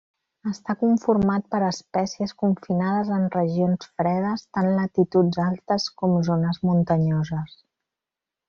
Està conformat per espècies confinades en regions fredes, tant latituds altes com zones muntanyoses.